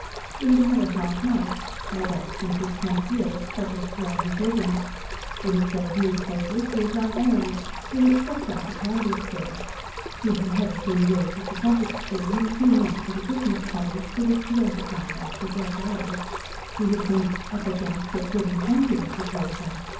He had had a hard life, made up, since his tenth year, of struggles to earn his living. He had sold newspapers, he had run errands, he had swept out a "candy store." He had had a few years at the public school, and a few months at a business college, to which he went at night, after work hours. He had been "up against it good and plenty," he told them.